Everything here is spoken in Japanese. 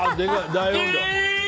大音量。